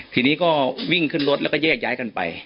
ทีนี้ก็วิ่งขึ้นรถแล้วก็แยกย้ายกันไป